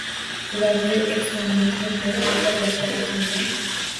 Ularga ehsonimizni berib, uzoqlashar ekanman